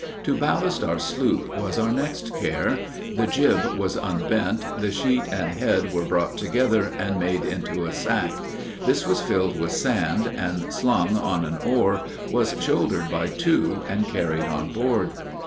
To ballast our sloop was our next care. The jib was unbent, the sheet and head were brought together and made into a sack. This was filled with sand, and, slung on an oar, was shouldered by two and carried on board.